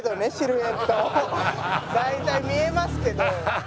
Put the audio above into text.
大体見えますけど。